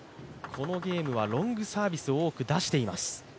このゲームはロングサービスを多く出しています。